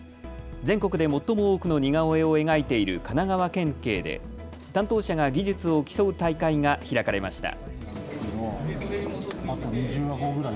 全国で最も多くの似顔絵を描いている神奈川県警で担当者が技術を競う大会が開かれました。